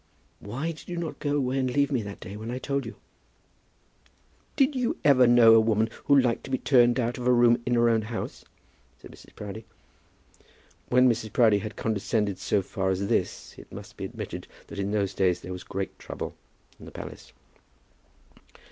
"Why did you not go away and leave me that day when I told you?" "Did you ever know a woman who liked to be turned out of a room in her own house?" said Mrs. Proudie. When Mrs. Proudie had condescended so far as this, it must be admitted that in those days there was great trouble in the palace.